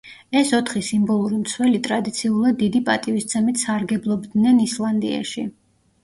ეს ოთხი სიმბოლური მცველი ტრადიციულად დიდი პატივისცემით სარგებლობდნენ ისლანდიაში.